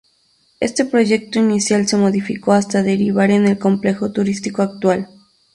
Este proyecto inicial se modificó hasta derivar en el complejo turístico actual.